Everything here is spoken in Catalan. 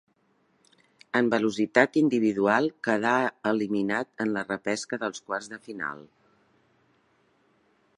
En velocitat individual quedà eliminat en la repesca dels quarts de final.